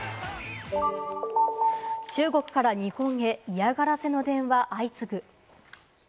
中国から日本へ嫌がらせの電話相次ぐ。